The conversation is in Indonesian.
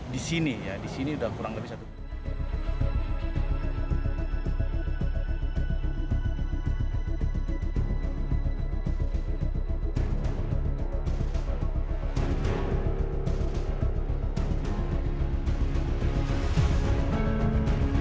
di sini ya di sini sudah kurang lebih satu